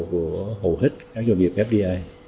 của hầu hết các doanh nghiệp fdi